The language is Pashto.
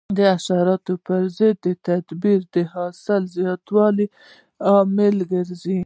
د حشراتو پر ضد تدابیر د حاصل زیاتوالي لامل کېږي.